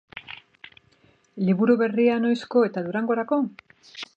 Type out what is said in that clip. Liburu berria noizko eta Durangorako?